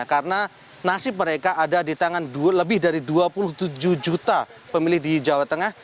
karena nasib mereka ada di tangan lebih dari dua puluh tujuh juta pemilih di jawa tengah